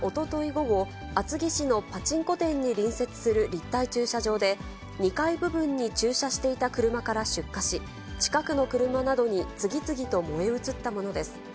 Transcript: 午後、厚木市のパチンコ店に隣接する立体駐車場で、２階部分に駐車していた車から出火し、近くの車などに次々と燃え移ったものです。